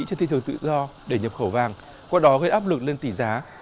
trên thi thường tự do để nhập khẩu vàng qua đó gây áp lực lên tỷ giá